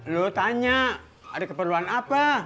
lo tanya ada keperluan apa